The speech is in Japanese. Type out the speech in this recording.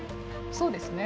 そうですね。